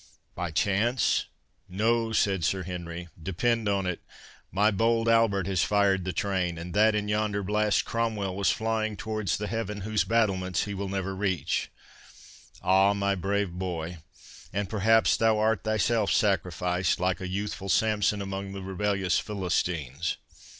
"By chance?—No," said Sir Henry; "depend on it, my bold Albert has fired the train, and that in yonder blast Cromwell was flying towards the heaven whose battlements he will never reach—Ah, my brave boy! and perhaps thou art thyself sacrificed, like a youthful Samson among the rebellious Philistines.